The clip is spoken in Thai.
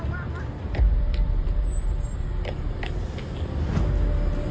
สวัสดีครับคุณผู้ชาย